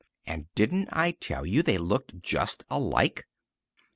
And didn't I tell you they looked alike?"